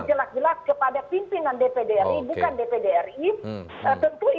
jelas jelas kepada pimpinan dpd ri bukan dpd ri